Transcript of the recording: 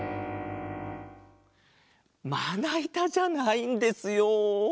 まないたじゃないんですよ。